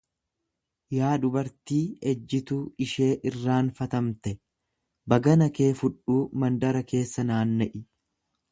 Yaa dubartii ejjituu ishee irraanfatamte, bagana kee fudhuu mandara keessa naanna'i.